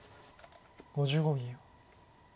５５秒。